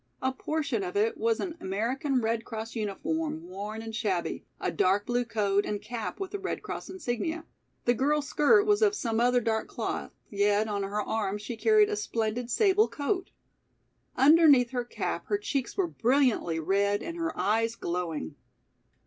A portion of it was an American Red Cross uniform, worn and shabby, a dark blue coat and cap with the Red Cross insignia. The girl's skirt was of some other dark cloth, yet on her arm she carried a splendid sable coat. Underneath her cap her cheeks were brilliantly red and her eyes glowing.